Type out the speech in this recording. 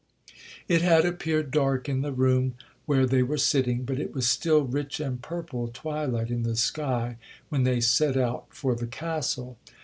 'It had appeared dark in the room where they were sitting, but it was still rich and purple twilight in the sky, when they set out for the Castle.